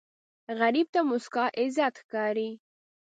غریب ته موسکا عزت ښکاري